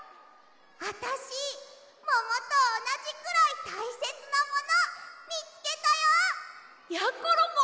あたしももとおなじくらいたいせつなものみつけたよ！やころも！